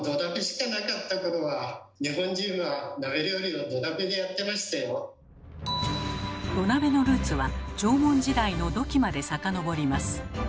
日本人は土鍋のルーツは縄文時代の土器まで遡ります。